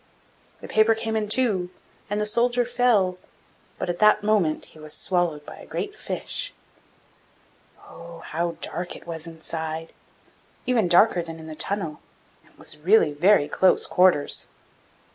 The paper came in two, and the soldier fell but at that moment he was swallowed by a great fish. Oh! how dark it was inside, even darker than in the tunnel, and it was really very close quarters!